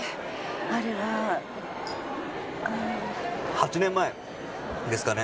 あれは８年前ですかね